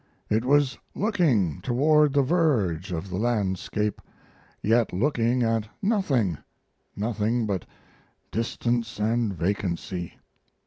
It was looking toward the verge of the landscape, yet looking at nothing nothing but distance and vacancy.